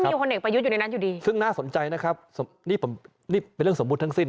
มีคนเอกประยุทธ์อยู่ในนั้นอยู่ดีซึ่งน่าสนใจนะครับนี่ผมนี่เป็นเรื่องสมมุติทั้งสิ้น